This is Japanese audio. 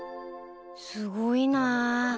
すごいなぁ。